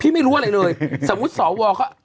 ไม่รู้อะไรเลยสมมุติสวเขา